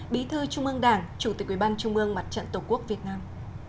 bí thư trung ương đảng chủ tịch ubnd mặt trận tổ quốc việt nam